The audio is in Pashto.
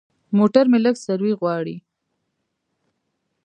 موټر مې لږ سروي غواړي.